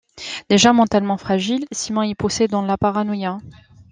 Déjà mentalement fragile, Simon est poussé dans la paranoïa.